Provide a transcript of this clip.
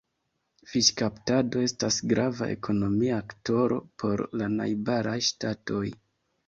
Fiŝkaptado estas grava ekonomia faktoro por la najbaraj ŝtatoj.